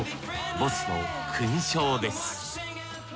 ボスの勲章です。